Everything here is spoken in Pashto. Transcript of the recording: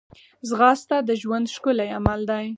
ځغاسته د ژوند ښکلی عمل دی